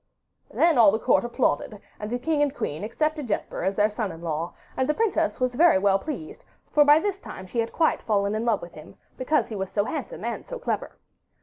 Then all the court applauded, and the king and queen accepted Jesper as their son in law, and the princess was very well pleased, for by this time she had quite fallen in love with him, because he was so handsome and so clever.